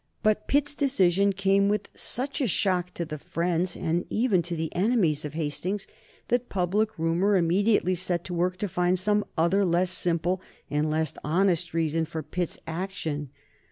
But Pitt's decision came with such a shock to the friends, and even to the enemies of Hastings, that public rumor immediately set to work to find some other less simple and less honest reason for Pitt's action.